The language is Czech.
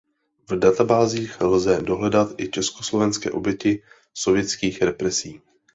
V databázích lze dohledat i československé oběti sovětských represí.